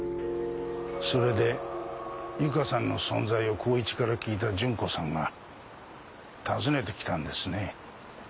それで由香さんの存在を孝一から聞いた純子さんが訪ねてきたんですね？